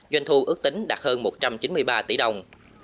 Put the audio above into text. doanh thu ước tính đạt hơn một trăm chín mươi ba tỷ đồng